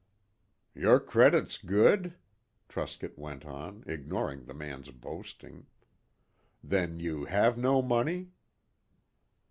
"Your credit's good?" Truscott went on, ignoring the man's boasting. "Then you have no money?"